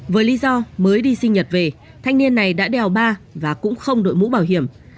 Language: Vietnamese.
với lý do mới đi sinh nhật về thanh niên này đã đèo ba và cũng không đội mũ bảo hiểm